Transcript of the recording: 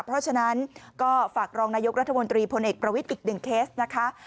เพราะฉะนั้นก็ฝากรองนายกรัฐมนตรีพลเอกประวิทย์อีกหนึ่งเคสนะคะ